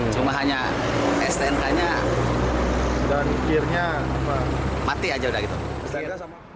cuma hanya stnk nya dan dearnya mati aja udah gitu